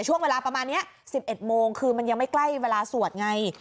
ช่วงเวลาประมาณนี้๑๑โมงคือมันยังไม่ใกล้เวลาสวดไง